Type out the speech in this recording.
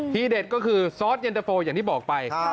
เด็ดก็คือซอสเย็นตะโฟอย่างที่บอกไป